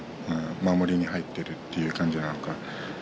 守りに入っているという感じなのか。